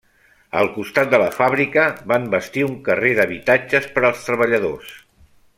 Al costat de la fàbrica van bastir un carrer d'habitatges per als treballadors.